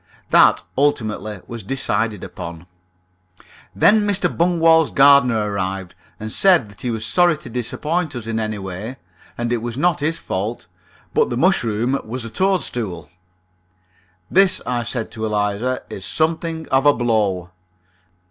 That ultimately was decided upon. Then Mr. Bungwall's gardener arrived, and said that he was sorry to disappoint us in any way, and it was not his fault, but the mushroom was a toadstool. "This," I said to Eliza, "is something of a blow."